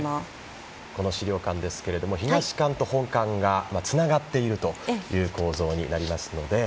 この資料館ですが東館と本館がつながっているという構造になりますので。